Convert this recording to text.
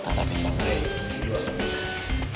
tak ada bimbang baik